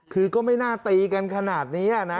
คือก็ไม่น่าตีกันขนาดนี้นะ